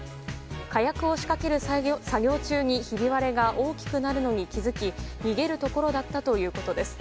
火薬を仕掛ける作業中にひび割れが大きくなるのに気づき逃げるところだったということです。